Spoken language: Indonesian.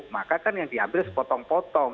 maka kan yang diambil sepotong potong